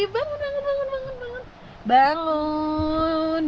bangun bangun bangun